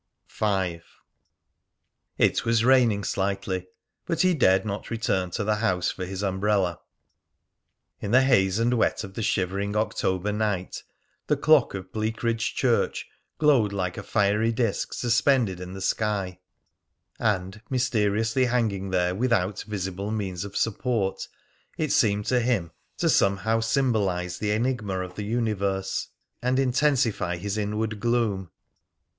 V. It was raining slightly, but he dared not return to the house for his umbrella. In the haze and wet of the shivering October night, the clock of Bleakridge Church glowed like a fiery disk suspended in the sky; and, mysteriously hanging there, without visible means of support, it seemed to him somehow to symbolise the enigma of the universe and intensify his inward gloom.